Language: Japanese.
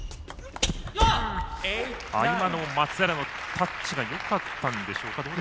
今の松平のタッチがよかったんでしょうか。